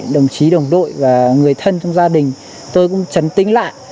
đồng chí đồng đội và người thân trong gia đình tôi cũng trấn tính lại